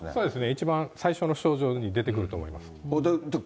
一番最初の症状に出てくると思います。